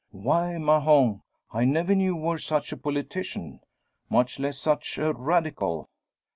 "Why, Mahon! I never knew you were such a politician! Much less such a Radical!"